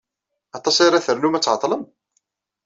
Aṭas ara ternum ad tɛeḍḍlem?